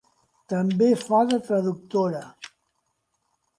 També fa de traductora.